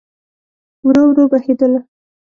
ورو، ورو بهیدله